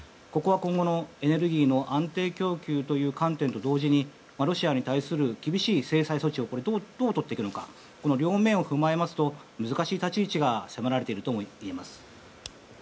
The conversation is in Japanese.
ここは今後のエネルギーの安定供給という観点と同時にロシアに対する厳しい制裁措置をどうとっていくか両面を踏まえますと難しい立ち位置が迫られているとも言えます。